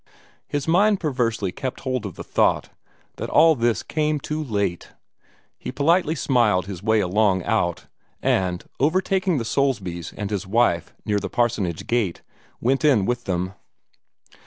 His mind perversely kept hold of the thought that all this came too late. He politely smiled his way along out, and, overtaking the Soulsbys and his wife near the parsonage gate, went in with them.